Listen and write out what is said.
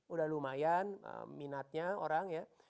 udah lumayan minatnya orang ya